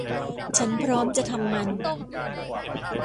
ฉันพร้อมจะทำมัน